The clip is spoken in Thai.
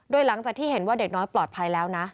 โดยหลังจากที่เห็นว่าเด็กน้อยปลอดภัยแล้วนะ